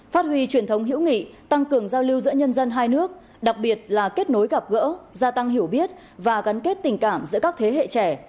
phát huy truyền thống hữu nghị tăng cường giao lưu giữa nhân dân hai nước đặc biệt là kết nối gặp gỡ gia tăng hiểu biết và gắn kết tình cảm giữa các thế hệ trẻ